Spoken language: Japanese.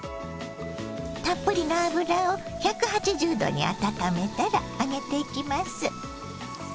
たっぷりの油を１８０℃に温めたら揚げていきます。